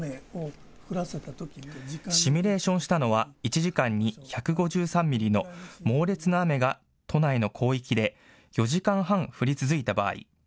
シミュレーションしたのは１時間に１５３ミリの猛烈な雨が都内の広域で４時間半、降り続いた場合。